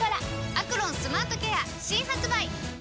「アクロンスマートケア」新発売！